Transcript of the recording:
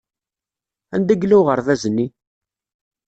Anda yella uɣerbaz-nni?